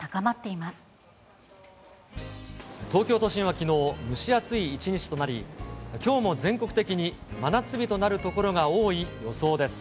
東京都心はきのう、蒸し暑い一日となり、きょうも全国的に真夏日となる所が多い予想です。